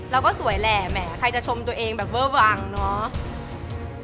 เราก็สวยแหละแหมใครจะชมตัวเองแบบเวอร์วังเนาะ